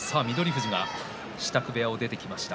富士が支度部屋を出てきました。